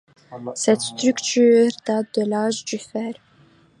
Cette structure date de l'Âge du Fer.